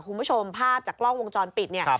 คุณผู้ชมภาพจากกล้องวงจรปิดเนี่ย